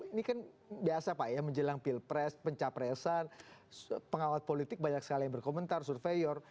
ini kan biasa pak ya menjelang pilpres pencapresan pengawat politik banyak sekali yang berkomentar surveyor